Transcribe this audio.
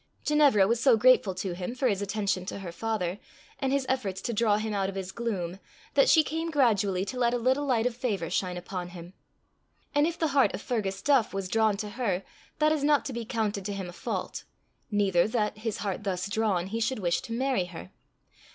Ginevra was so grateful to him for his attention to her father, and his efforts to draw him out of his gloom, that she came gradually to let a little light of favour shine upon him. And if the heart of Fergus Duff was drawn to her, that is not to be counted to him a fault neither that, his heart thus drawn, he should wish to marry her.